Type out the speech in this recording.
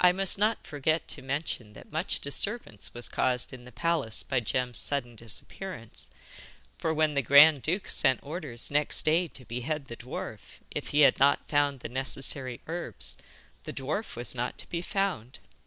I must not forget to mention that much disturbance was caused in the palace by Jem's sudden disappearance, for when the grand duke sent orders next day to behead the dwarf, if he had not found the necessary herbs, the dwarf was not to be found.